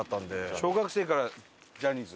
小学生からジャニーズ？